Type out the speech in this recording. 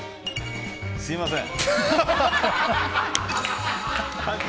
すみません。